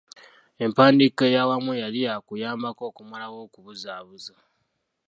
Empandiika ey’awamu yali yaakuyambako okumalawo okubuzaabuza.